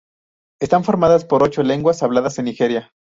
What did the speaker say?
Están formadas por ocho lenguas habladas en Nigeria.